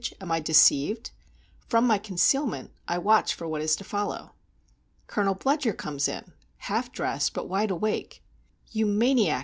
Am I deceived? From my concealment I watch for what is to follow. Colonel Bludyer comes in, half dressed, but wide awake. "You maniac!"